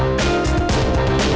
nggak akan ngediam nih